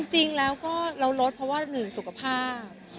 จริงแล้วก็เราลดเพราะว่าหนึ่งสุขภาพ